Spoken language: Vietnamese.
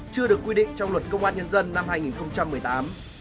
chưa được quy định trong luật công an nhân dân năm hai nghìn một mươi tám